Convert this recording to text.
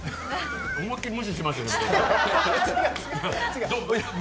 思いっきり無視しましたね、今。